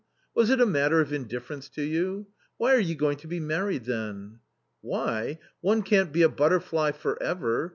Was it a matter of indifference to you ? Why are you going to be n. *•'' married then ?" v r v, "Why! One can't be a butterfly for ever!